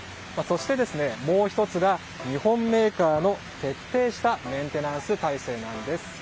そして、もう１つが日本メーカーの徹底したメンテナンス体制なんです。